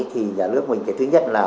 thì nhà nước mình thứ nhất là